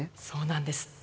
そうなんです。